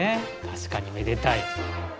確かにめでたい。